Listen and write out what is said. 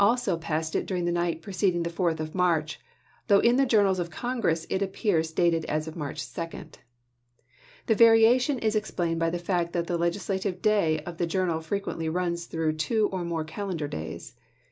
», passed it during the night preceding the 4th of March, though in the journals of Congress it ap pears dated as of March 2. The variation is ex plained by the fact that the legislative day of the journal frequently runs through two or more cal endar days.